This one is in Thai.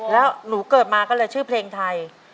แล้วหนูเกิดมาก็เลยชื่อเพลงไทย